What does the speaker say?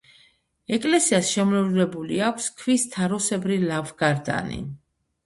ეკლესიას შემოვლებული აქვს ქვის თაროსებრი ლავგარდანი.